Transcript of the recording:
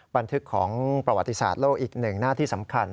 บันทึกของประวัติศาสตร์โลกอีกหนึ่งหน้าที่สำคัญ